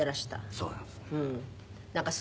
そうなんです。